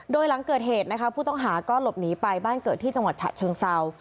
โดยหลังเกิดเหตุนะคะผู้ต้องหาก็หลบหนีไปบ้านเกิดที่จังหวัดฉะเชิงเศร้า